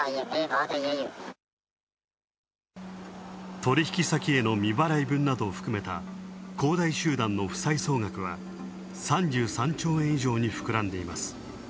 取引先への未払い分などを含めた恒大集団の負債総額は、３３兆円以上に膨らんでいます。